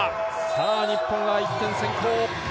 日本が１点先行。